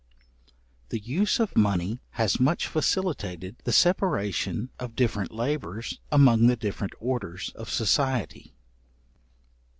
The use of money has much facilitated the separation of different labours among the different orders of society.